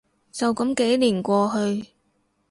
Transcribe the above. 就噉幾年過去